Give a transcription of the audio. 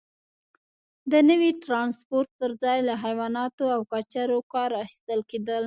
د نوي ټرانسپورت پرځای له حیواناتو او کچرو کار اخیستل کېده.